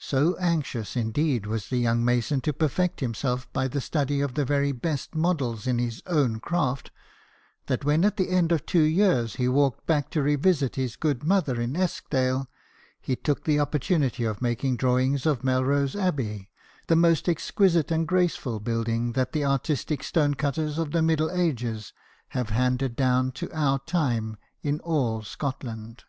So anxious, indeed, was the young mason to perfect himself by the study of the very best models in his own craft, that when at the end of two years he walked back to revisit his good mother in Eskdale, he took the opportunity of making drawings of Melrose Abbey, the most exquisite and graceful building that the artistic stone cutters of the Middle Ages have handed down to our time in all Scotland.